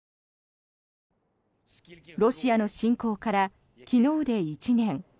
ロシアの侵攻から昨日で１年。